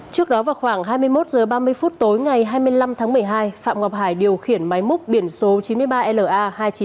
trước đó vào khoảng hai mươi một h ba mươi phút tối ngày hai mươi năm tháng một mươi hai phạm ngọc hải điều khiển máy múc biển số chín mươi ba la hai nghìn chín trăm chín mươi